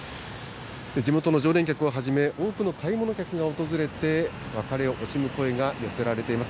地元の常連客をはじめ、多くの買い物客が訪れて、別れを惜しむ声が寄せられています。